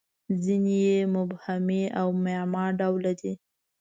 • ځینې یې مبهمې او معما ډوله دي.